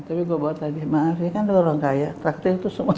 tapi gue buat tadi maaf ya kan orang kaya praktek itu semua